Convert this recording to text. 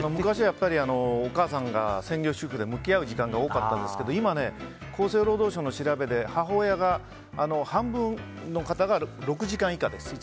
昔はお母さんが専業主婦で向き合う時間が多かったんですけど今、厚生労働省の調べで母親が半分の方が１日６時間以下です。